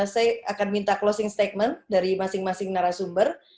saya akan minta closing statement dari masing masing narasumber